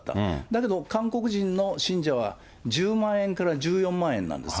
だけど韓国人の信者は、１０万円から１４万円なんです。